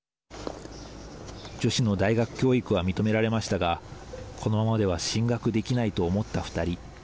女子の大学教育は認められましたがこのままでは進学できないと思った２人。